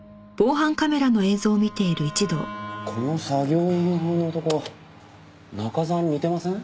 この作業員風の男中沢に似てません？